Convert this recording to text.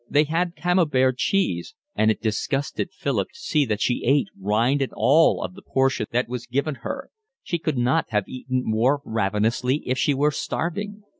They had Camembert cheese, and it disgusted Philip to see that she ate rind and all of the portion that was given her. She could not have eaten more ravenously if she were starving.